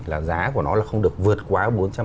là giá của nó là không được vượt quá bốn trăm ba mươi năm